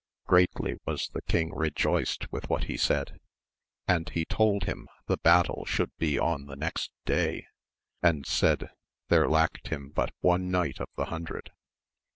Greatly was the king rejoiced with what he said, and he told him the battle should be on the next day, and said, there lacked him but one knight of the hundred.